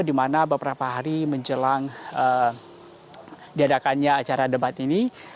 di mana beberapa hari menjelang diadakannya acara debat ini